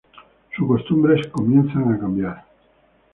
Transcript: Sus costumbres comienzan a cambiar.